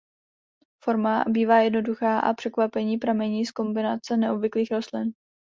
Forma bývá jednoduchá a překvapení pramení z kombinace neobvyklých rostlin.